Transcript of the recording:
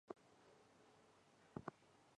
高等教育则有和摄南大学两所大学。